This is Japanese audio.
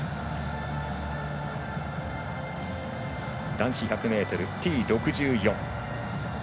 男子１００ｍＴ６４。